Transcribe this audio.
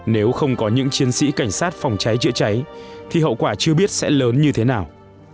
nếu không có những chiến sĩ cảnh sát phòng cháy chữa cháy thì hậu quả chưa biết sẽ lớn như thế nào